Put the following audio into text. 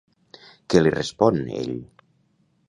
Què li respon ell?